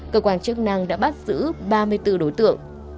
cơ quan chức năng đã bắt giữ ba mươi bốn đối tượng